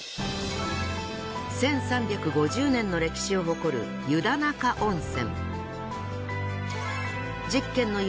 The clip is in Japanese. １３５０年の歴史を誇る湯田中温泉。